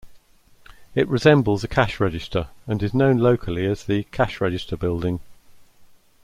It resembles a cash register and is known locally as the "Cash Register Building".